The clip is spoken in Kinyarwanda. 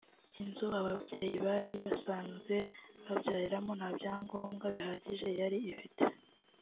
Inzu ababyeyi bari basazwe babyariramo nta byagombwa bihagije yari ifite